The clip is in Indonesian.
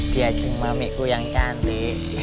dia ceng mamiku yang cantik